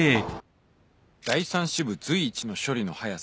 「第３支部随一の処理の速さ」